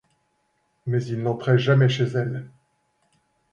Mais il n’entrait jamais chez elle.